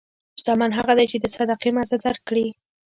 شتمن هغه دی چې د صدقې مزه درک کړي.